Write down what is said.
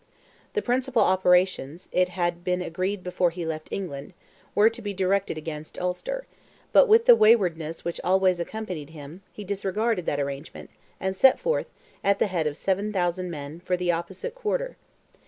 The principal operations, it had been agreed before he left England, were to be directed against Ulster, but with the waywardness which always accompanied him, he disregarded that arrangement, and set forth, at the head of 7,000 men, for the opposite quarter.